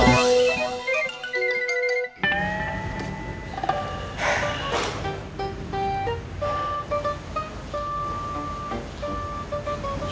iya pak ustadz